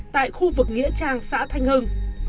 tại khu vực nghĩa trang xã thanh hưng